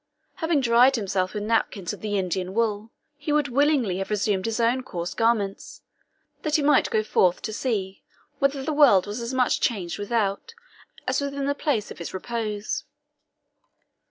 Having dried himself with napkins of the Indian wool, he would willingly have resumed his own coarse garments, that he might go forth to see whether the world was as much changed without as within the place of his repose.